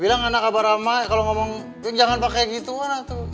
bilang anak abah rama kalau ngomong jangan pakai gitu wah tuh